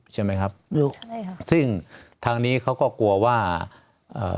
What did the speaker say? ใช่ไหมครับลุกใช่ค่ะซึ่งทางนี้เขาก็กลัวว่าเอ่อ